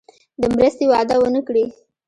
د مرستې وعده ونه کړي.